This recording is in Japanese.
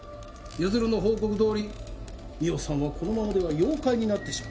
譲の報告どおり澪さんはこのままでは妖怪になってしまう。